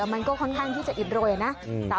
มันก็ค่อนข้างที่จะอิดโรยนะ